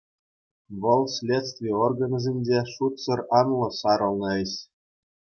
Вӑл — следстви органӗсенче шутсӑр анлӑ сарӑлнӑ ĕç.